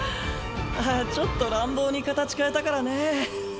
ああちょっと乱暴に形変えたからね。